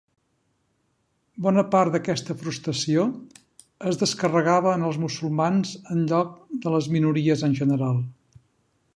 Bona part d'aquesta frustració es descarregava en els musulmans en lloc de les minories en general.